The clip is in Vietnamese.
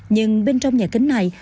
nhưng bên trong nhà kính này